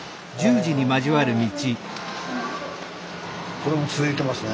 これも続いてますね。